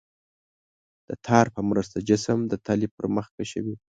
د تار په مرسته جسم د تلې پر مخ کشوي.